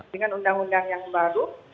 dengan undang undang yang baru